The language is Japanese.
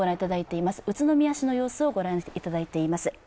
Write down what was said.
現在の栃木県宇都宮市の様子をご覧いただいています。